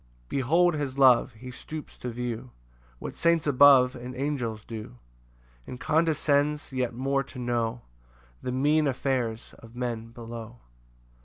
4 Behold his love: he stoops to view What saints above and angels do; And condescends yet more to know The mean affairs of men below.